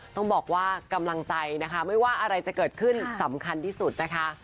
ต้องบอกว่ากำลังใจนะคะไม่ว่าอะไรจะเกิดขึ้นสำคัญที่สุดนะคะ